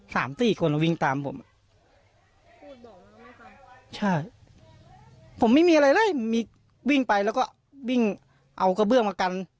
สามสี่คนวิ่งตามผมอ่ะใช่ผมไม่มีอะไรเลยมีวิ่งไปแล้วก็วิ่งเอากระเบื้องมากัน